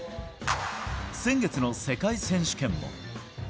先月の世界選手権も。